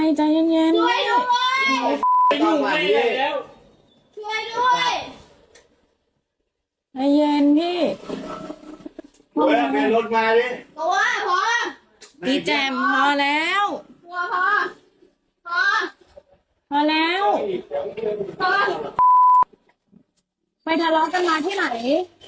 โอ้โฮไปทะเลาะกันมาที่ไหน